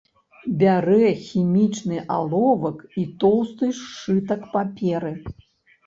Бярэ хімічны аловак і тоўсты сшытак паперы.